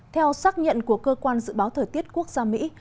theo xác nhận của cơ quan dự báo thời tiết quốc gia mỹ